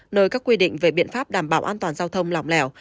nơi các quy định về biện pháp đảm bảo an toàn giao thông lòng lẻo